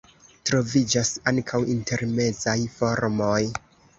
Troviĝas ankaŭ intermezaj formoj.